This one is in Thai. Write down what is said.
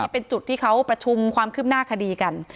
เป็นจุดที่เขาประชุมความคืบหน้าคดีกัน